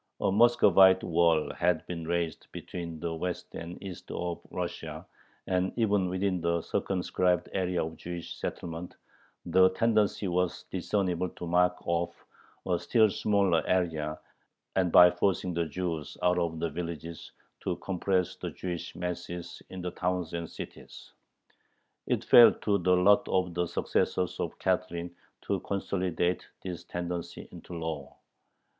A "Muscovite" wall had been raised between the west and east of Russia, and even within the circumscribed area of Jewish settlement the tendency was discernible to mark off a still smaller area and, by forcing the Jews out of the villages, to compress the Jewish masses in the towns and cities. It fell to the lot of the successors of Catherine to consolidate this tendency into law.